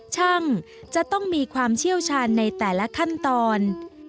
ช่างจะต้องมีความเชี่ยวชาญในแต่ละขั้นตอน